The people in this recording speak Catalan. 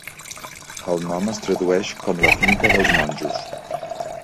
El nom es tradueix com "la finca dels monjos".